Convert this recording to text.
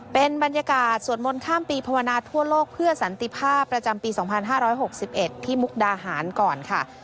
เป็นบรรยากาศสวดมนต์ข้ามปีภาวนาทั่วโลกเพื่อสันติภาพประจำปี๒๕๖๑ที่มุกดาหารก่อนค่ะ